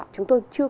chúng tôi chưa có